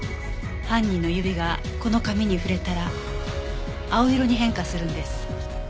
犯人の指がこの紙に触れたら青色に変化するんです。